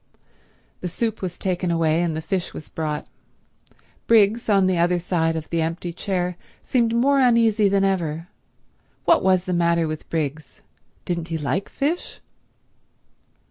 The soup was taken away, and the fish was brought. Briggs, on the other side of the empty chair, seemed more uneasy than ever. What was the matter with Briggs? Didn't he like fish?